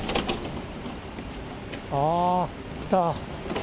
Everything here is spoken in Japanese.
ああ、来た。